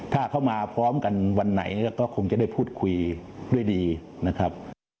ถ้าเขามาพร้อมกันวันไหนก็คงจะได้พูดคุยด้วยดีนะครับ